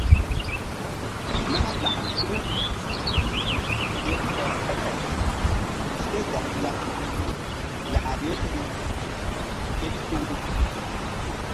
Nah lak huru ke he-hele seh za-zaŋ lah ye luu ke tuŋ.